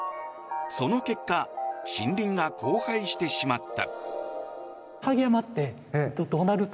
その結果森林が荒廃してしまった。